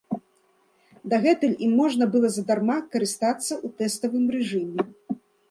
Дагэтуль ім можна было задарма карыстацца ў тэставым рэжыме.